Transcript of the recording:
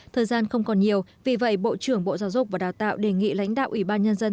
thời gian không còn nhiều vì vậy bộ trưởng bộ giáo dục và đào tạo đề nghị lãnh đạo ủy ban nhân dân